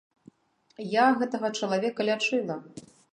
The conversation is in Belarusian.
Я гэтага чалавека лячыла.